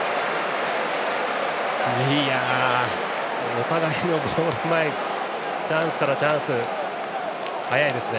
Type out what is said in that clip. お互いのゴール前チャンスからチャンスへ速いですね。